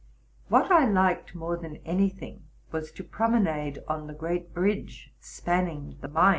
What I liked more than any thing was, to promenade on the great bridge spanning the Main.